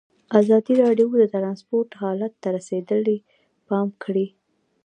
ازادي راډیو د ترانسپورټ حالت ته رسېدلي پام کړی.